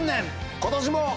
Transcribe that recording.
今年も。